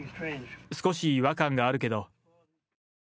少し違和感があるけど。